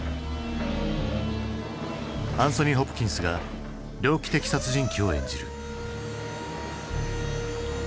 アンソニー・ホプキンスが猟奇的殺人鬼を演じる。